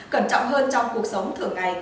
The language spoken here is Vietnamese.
cẩn trọng hơn trong cuộc sống thường ngày